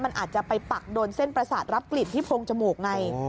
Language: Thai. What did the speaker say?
มันอาจจะไปปักโดนเส้นประสาทรับกลิ่นที่โพรงจมูกไง